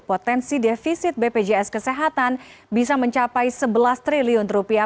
potensi defisit bpjs kesehatan bisa mencapai sebelas triliun rupiah